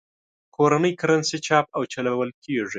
کورنۍ کرنسي چاپ او چلول کېږي.